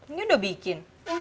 ini udah bikin